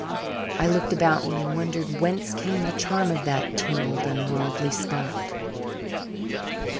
I looked about me and wondered whence came the charm of that tangled, unworldly spot.